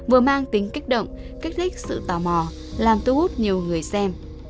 vừa mang tính kích động kích thích sự tò mò làm tu hút nhiều người xem